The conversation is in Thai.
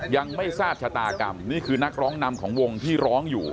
ยังไม่ทราบชะตากรรมนี่คือนักร้องนำของวงที่ร้องอยู่